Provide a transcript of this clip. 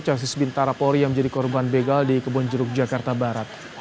casis bintara polri yang menjadi korban begal di kebonjeruk jakarta barat